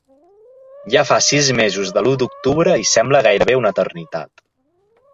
Ja fa sis mesos de l’u d’octubre i sembla gairebé una eternitat.